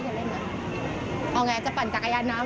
พี่เขาแขกแคะฉันไหมเนี่ย